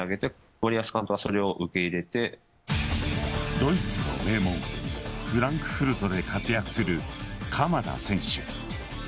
ドイツの名門フランクフルトで活躍する鎌田選手。